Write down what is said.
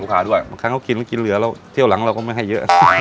ลูกค้าด้วยเขากินแล้วกินเหลือแล้วเที่ยวหลังเราก็ไม่ให้เยอะอ่า